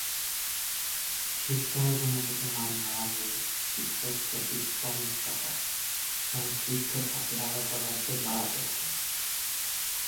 শিক্ষার গুণগত মান বাড়াতে শিক্ষক প্রশিক্ষণসহ সংশ্লিষ্ট খাতে আরও বরাদ্দ বাড়াতে হবে।